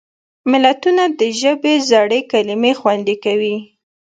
متلونه د ژبې زړې کلمې خوندي کوي